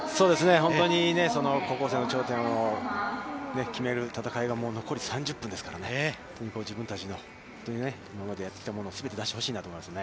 本当に高校生の頂点を決める戦いが、もう残り３０分ですからね、自分たちのやってきたものを全て出してほしいなと思いますね。